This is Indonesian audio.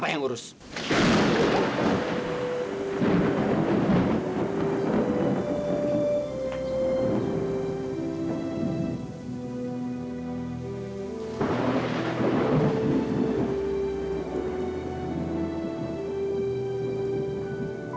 bapak yang ada di sini siapa